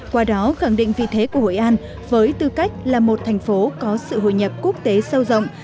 qua đó khẳng định vị thế của hội an với tư cách là một thành phố có sự hội nhập quốc tế sâu rộng